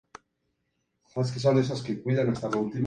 Posteriormente, se imprimieron directamente en Colombia.